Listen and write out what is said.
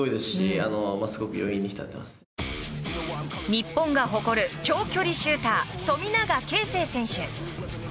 日本が誇る長距離シューター富永啓生選手。